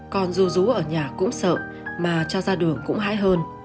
con ru rú ở nhà cũng sợ mà cho ra đường cũng hãi hơn